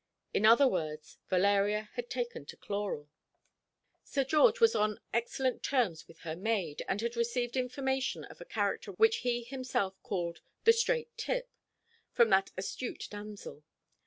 In other words, Valeria had taken to chloral. Sir George was on excellent terms with her maid, and had received information of a character which he himself called "the straight tip" from that astute damsel.